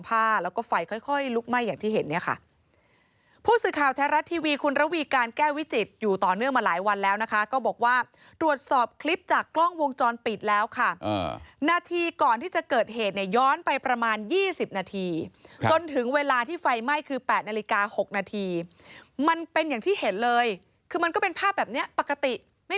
ภูมิสื่อข่าวแท้รัฐทีวีคุณระวีการแก้วิจิตรอยู่ต่อเนื่องมาหลายวันแล้วนะคะก็บอกว่าดรวจสอบคลิปจากกล้องวงจรปิดแล้วค่ะอ่านาทีก่อนที่จะเกิดเหตุเนี้ยย้อนไปประมาณยี่สิบนาทีค่ะต้นถึงเวลาที่ไฟไหม้คือแปดนาฬิกาหกนาทีมันเป็นอย่างที่เห็นเลยคือมันก็เป็นภาพแบบเนี้ยปกติไม่